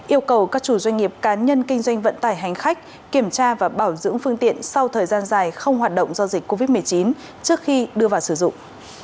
yêu cầu các chủ doanh nghiệp cá nhân kinh doanh vận tải hành khách kiểm tra và bảo dưỡng phương tiện sau thời gian dài không hoạt động do dịch covid một mươi chín trước khi đưa vào sử dụng